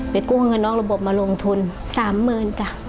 กู้เงินนอกระบบมาลงทุน๓๐๐๐จ้ะ